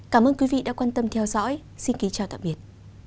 cảm ơn quý vị đã quan tâm theo dõi xin kính chào tạm biệt